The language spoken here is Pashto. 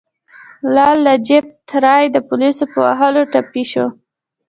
لالا لاجپت رای د پولیسو په وهلو ټپي شو.